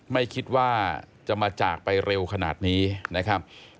ไม่คิดว่าจะมาจากไปเร็วขนาดนี้นะครับ